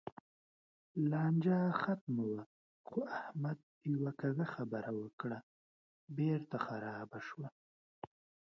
لانجه ختمه وه؛ خو احمد یوه کږه خبره وکړه، بېرته خرابه شوه.